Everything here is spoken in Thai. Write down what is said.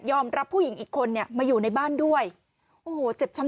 รับผู้หญิงอีกคนเนี่ยมาอยู่ในบ้านด้วยโอ้โหเจ็บช้ำ